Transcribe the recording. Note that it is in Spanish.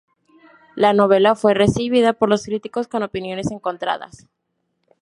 La novela fue recibida por los críticos con opiniones encontradas.